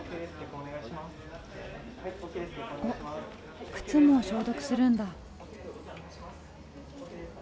おっ靴も消毒するんだ。